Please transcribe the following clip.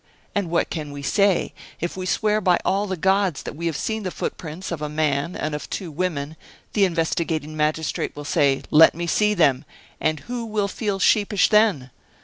And what can we say? If we swear by all the gods that we have seen the footprints of a man and of two women, the investigating magistrate will say, 'Let me see them.' And who will feel sheepish then?